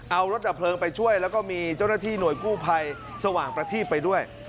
เอารถดับเพลิงไปช่วยแล้วก็มีเจ้าหน้าที่หน่วยกู้ภัยสว่างประทีบไปด้วย